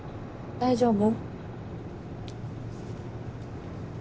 大丈夫。